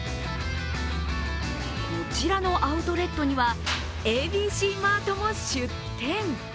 こちらのアウトレットにはＡＢＣマートも出店。